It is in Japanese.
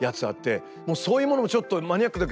そういうものをちょっとマニアックだけどいい？